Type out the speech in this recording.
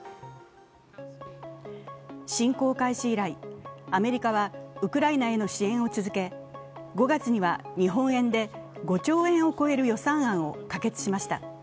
侵攻開始以来、アメリカはウクライナへの支援を続け５月には日本円で５兆円を超える予算案を可決しました。